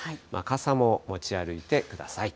傘も持ち歩いてください。